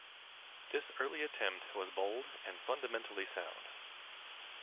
This early attempt was bold and fundamentally sound.